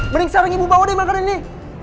mending sarang ibu bawa deh makan ini